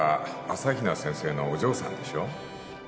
朝比奈先生のお嬢さんでしょ？